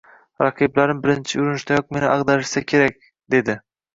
Raqiblarim birinchi urinishdayoq meni agʻdarishsa kerak, dedi